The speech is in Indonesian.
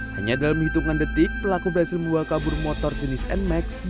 hanya dalam hitungan detik pelaku berhasil membawa kabur motor jenis nmax